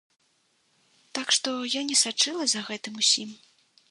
Так што я не сачыла за гэтым усім.